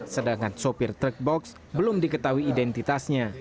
sedangkan sopir truk box belum diketahui identitasnya